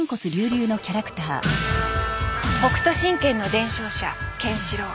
北斗神拳の伝承者ケンシロウ。